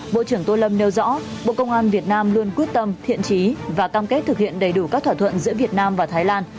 bộ trưởng tô lâm nêu rõ bộ công an việt nam luôn quyết tâm thiện trí và cam kết thực hiện đầy đủ các thỏa thuận giữa việt nam và thái lan